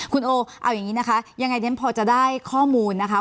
คุณโอเอาอย่างนี้นะคะยังไงเดี๋ยวพอจะได้ข้อมูลนะคะ